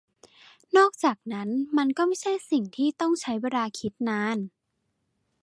นอกจากนั้น มันก็ไม่ใช่สิ่งที่ต้องใช้เวลาคิดนาน